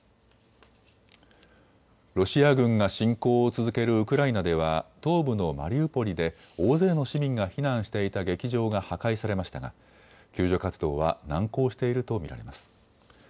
ロシア軍が侵攻を続けるウクライナでは東部のマリウポリで大勢の市民が避難していた劇場が破壊されましたが救助活動は難航していると見られます。